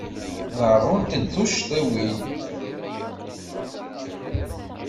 Ḍerrunt-d tuccḍiwin.